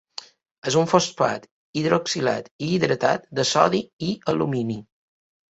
És un fosfat hidroxilat i hidratat de sodi i alumini.